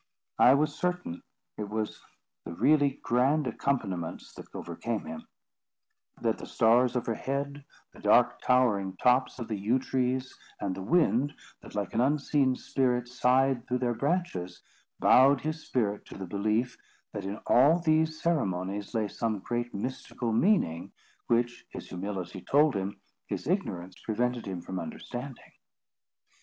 I was certain it was the really grand accompaniments that overcame him; that the stars overhead, the dark towering tops of the yew trees, and the wind that, like an unseen spirit, sighed through their branches, bowed his spirit to the belief, that in all these ceremonies lay some great mystical meaning which, his humility told him, his ignorance prevented him from understanding.